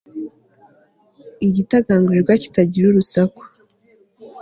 Igitagangurirwa kitagira urusaku